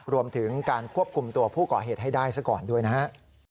รวมถึงการควบคุมตัวผู้ก่อเหตุให้ได้ซะก่อนด้วยนะฮะ